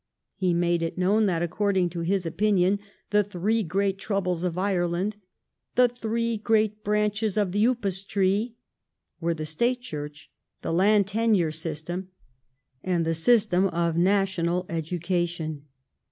He made it known that, according to his opinion, the three great troubles of Ireland — "the three great branches of the upas tree "— were the State Church, the land tenure system, and the system of national education.